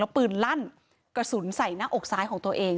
ปืนลั่นกระสุนใส่หน้าอกซ้ายของตัวเอง